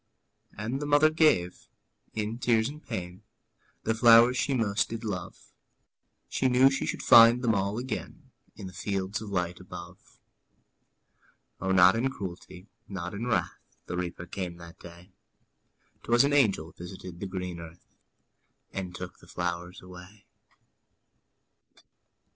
'' And the mother gave, in tears and pain, The flowers she most did love; She knew she should find them all again In the fields of light above. O, not in cruelty, not in wrath, The Reaper came that day; 'Twas an angel visited the green earth, And took the flowers away.